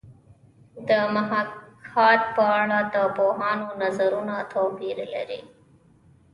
د محاکات په اړه د پوهانو نظرونه توپیر لري